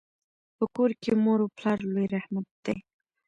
په کور کي مور او پلار لوی رحمت دی.